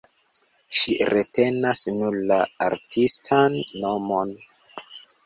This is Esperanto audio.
Ŝi retenas nur la artistan nomon.